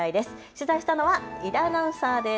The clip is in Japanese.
取材したのは井田アナウンサーです。